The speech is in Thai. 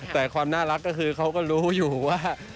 แต่ความน่ารักก็คือเขาก็รู้อยู่ว่า